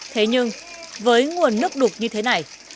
thế nhưng với nguồn nước đục như thế này